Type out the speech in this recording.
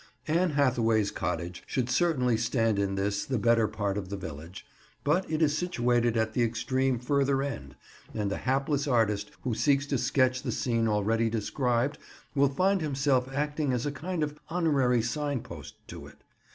Anne Hathaway's cottage should certainly stand in this, the better part of the village, but it is situated at the extreme further end; and the hapless artist who seeks to sketch the scene already described will find himself acting as a kind of honorary signpost to it.